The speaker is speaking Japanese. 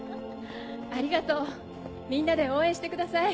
ありがとうみんなで応援してください。